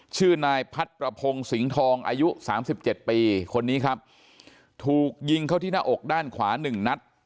ชื่อนายพัดประพงศ์สิงห์ทองอายุ๓๗ปีคนนี้ครับถูกยิงเข้าที่หน้าอกด้านขวา๑นัด